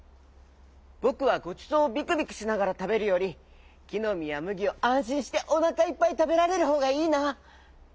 ぼくはごちそうをビクビクしながらたべるよりきのみやむぎをあんしんしておなかいっぱいたべられるほうがいいな。